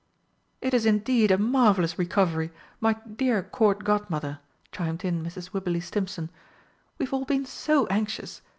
"It is indeed a marvellous recovery, my dear Court Godmother!" chimed in Mrs. Wibberley Stimpson. "We've all been so anxious!